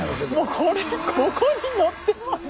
これここに乗ってまで。